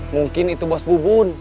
mungkin itu bos bubun